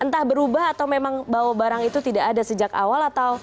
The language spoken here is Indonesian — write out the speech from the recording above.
entah berubah atau memang bawa barang itu tidak ada sejak awal atau